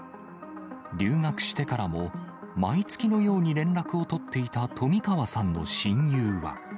留学してからも、毎月のように連絡を取っていた冨川さんの親友は。